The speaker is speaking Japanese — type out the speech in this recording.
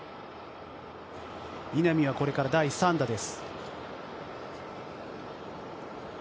稲見はこれから第３打です。